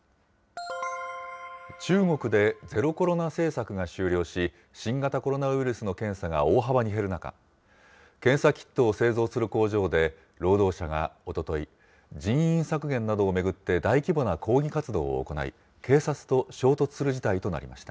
中国でゼロコロナ政策が終了し、新型コロナウイルスの検査が大幅に減る中、検査キットを製造する工場で、労働者がおととい、人員削減などを巡って大規模な抗議活動を行い、警察と衝突する事態となりました。